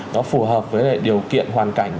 nó phù hợp với điều kiện hoàn cảnh